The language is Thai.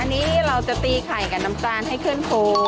อันนี้เราจะตีไข่กับน้ำตาลให้ขึ้นโพ